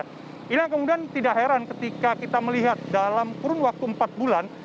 nah ini yang kemudian tidak heran ketika kita melihat dalam kurun waktu empat bulan